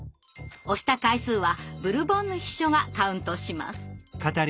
押した回数はブルボンヌ秘書がカウントします。